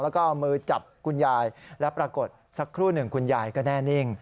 แล้วก็เอามือจับคุณยายแล้วปรากฏสักครู่หนึ่งคุณยายก็แน่นิ่ง